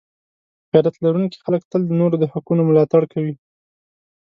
غیرت لرونکي خلک تل د نورو د حقونو ملاتړ کوي.